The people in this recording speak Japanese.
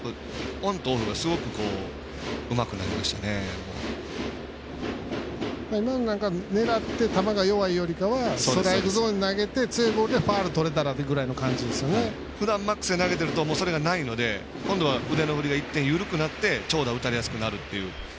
オンとオフが今のなんか狙って球が弱いなんかよりはストライクゾーンに投げて強いボールでファウルとれたらふだんマックスで投げてるとそれがないので今度は腕の振りが緩くなって長打を打たれやすくなる。